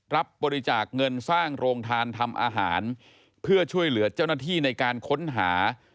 รับบริจาคเงินสร้างโรงทานทำอาหารเพื่อช่วยเหลือเจ้าหน้าที่ในการค้นหา